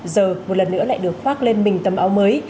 giờ một lần nữa lại được khoác lên mình tầm áo mới